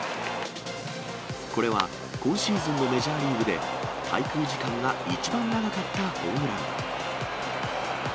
これは、今シーズンのメジャーリーグで滞空時間が一番長かったホームラン。